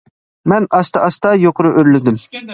مەن ئاستا- ئاستا يۇقىرى ئۆرلىدىم.